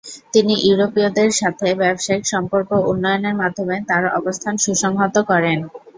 তিনি ইউরোপীয়দের সাথে ব্যবসায়িক সম্পর্ক উন্নয়নের মাধ্যমে তার অবস্থান সুসংহত করেন।